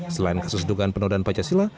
selain kasus dugaan penodaan pancasila